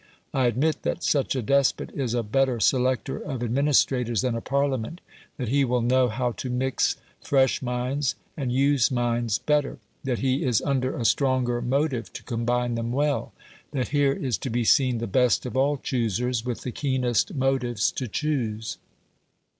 I admit that such a despot is a better selector of administrators than a Parliament; that he will know how to mix fresh minds and used minds better; that he is under a stronger motive to combine them well; that here is to be seen the best of all choosers with the keenest motives to choose.